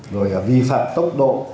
rồi vi phạm tốc độ